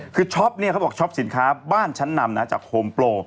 คือช็อปเนี่ยเขาบอกช็อปสินค้าบ้านชั้นนำนะจากโฮมโปร